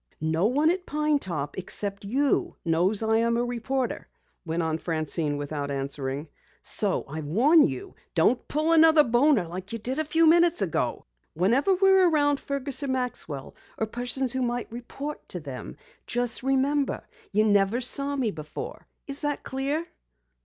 "No one at Pine Top except you knows I am a reporter," went on Francine without answering. "So I warn you, don't pull another boner like you did a few minutes ago. Whenever we're around Fergus or Maxwell or persons who might report to them, just remember you never saw me before. Is that clear?"